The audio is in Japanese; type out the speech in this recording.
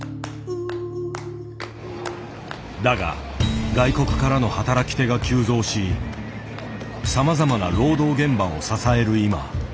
だが外国からの働き手が急増しさまざまな労働現場を支える今。